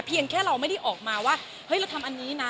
แค่เราไม่ได้ออกมาว่าเฮ้ยเราทำอันนี้นะ